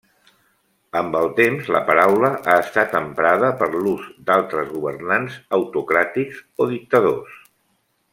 Amb el temps la paraula ha estat emprada per l'ús d'altres governants autocràtics o dictadors.